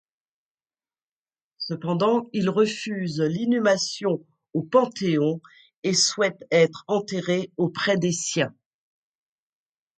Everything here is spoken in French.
Cependant, il refuse l'inhumation au Panthéon et souhaite être enterré auprès des siens.